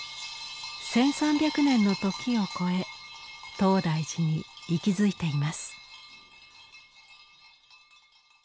１，３００年の時を超え東大寺に息づいています。